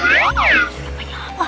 susah payah apa